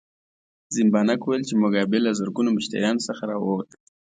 زیمبانک وویل چې موګابي له زرګونو مشتریانو څخه راووت.